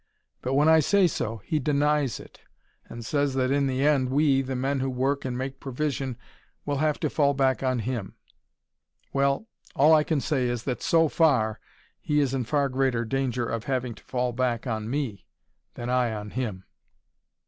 But when I say so, he denies it, and says that in the end we, the men who work and make provision, will have to fall back on him. Well, all I can say is, that SO FAR he is in far greater danger of having to fall back on me, than I on him."